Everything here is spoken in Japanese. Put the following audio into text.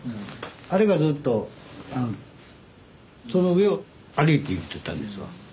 あれがずっとその上を歩いていっとったんですわ。